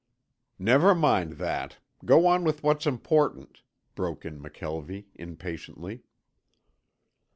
"Never mind that. Go on with what's important," broke in McKelvie, impatiently.